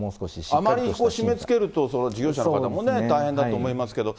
あまり締めつけると、事業者の方もね、大変だと思いますけど、